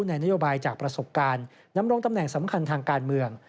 ในนโยบายจากประสบการณ์ดำรงตำแหน่งสำคัญทางการเมือง